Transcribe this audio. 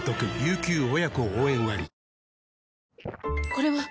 これはっ！